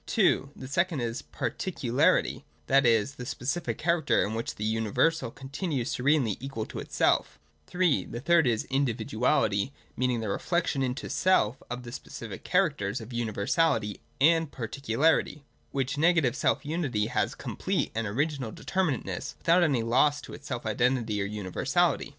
(2) The second is Parti cularity — that is, the specific character, in which the uni versal continues serenely equal to itself (3) The third is Individuality — meaning the reflection into self of the specific characters of universality and particularity ;— which negative selfunity has complete and original determinateness, without any loss to its self identity or universality.